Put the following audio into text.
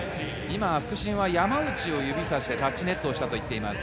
副審は山内を指さしてタッチネットしたと言っています。